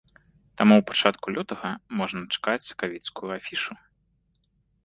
Таму ў пачатку лютага можна чакаць сакавіцкую афішу.